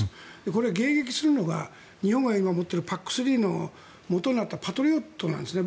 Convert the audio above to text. これは迎撃するのが日本が今、持っているＰＡＣ３のもとになったパトリオットなんですね。